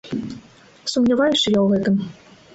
Сумняваюся я ў гэтым.